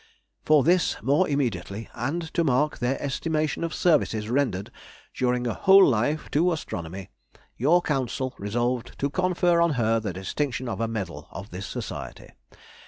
For this more immediately, and to mark their estimation of services rendered during a whole life to astronomy, your Council resolved to confer on her the distinction of a medal of this Society.